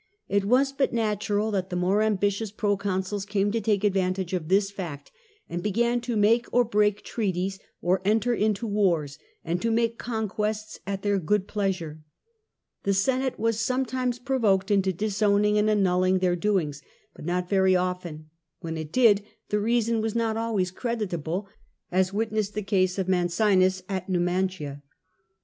It was, but natural that the more ambitious proconsuls came to take advantage of this fact, and began to make or break treaties, to enter into wars, and to make conquests at their good pleasure. The Senate was sometimes provoked into disowning and annulling their doings, but not very often: when it did, the reason was not always creditable — as witness the case of Mancinus at Niimantia.